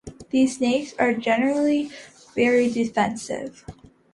These snakes are generally very defensive.